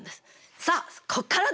さあここからだ！